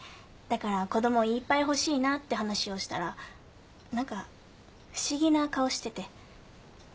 だから子供いっぱい欲しいなって話をしたら何か不思議な顔してて。